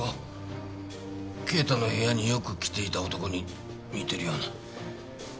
啓太の部屋によく来ていた男に似てるような。